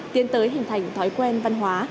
tiến tới hình thành thói quen văn hóa